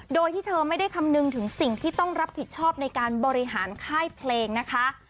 โดยที่เธอไม่ได้คำนึงถึงสิ่งที่ต้องรับผิดชอบในการบริหารค่ายเพลงนะคะ